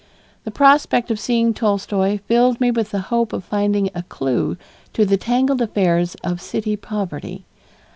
The prospect of seeing Tolstoy filled me with the hope of finding a clue to the tangled affairs of city poverty.